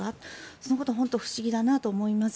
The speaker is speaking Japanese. そのことは本当に不思議だと思います。